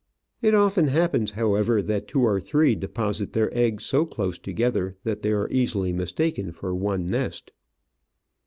It often happens, however, that two or three deposit their eggs so close together that they are easily mistaken for one nest.